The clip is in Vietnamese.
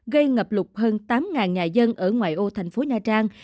gây ngập lục hơn tám nhà dân ở ngoài ô thành phố nha trang